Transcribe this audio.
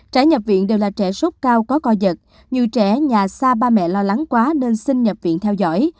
trẻ nhập viện đều là trẻ sốt cao có co giật nhiều trẻ nhà xa ba mẹ lo lắng quá nên xin nhập viện theo dõi